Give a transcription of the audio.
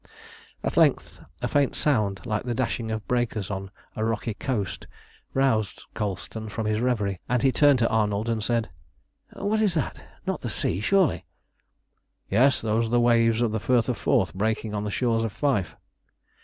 At length a faint sound like the dashing of breakers on a rocky coast roused Colston from his reverie, and he turned to Arnold and said "What is that? Not the sea, surely!" "Yes, those are the waves of the Firth of Forth breaking on the shores of Fife."